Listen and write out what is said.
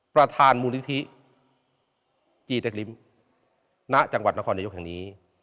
ประธานมูลนิธิจีเต็กลิ้มณจังหวัดนครนายกแห่งนี้